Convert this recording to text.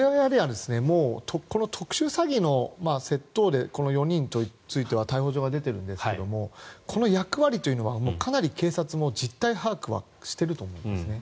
この特殊詐欺のこの４人については逮捕状が出ているんですがこの役割というのはかなり警察も実態把握はしていると思いますね。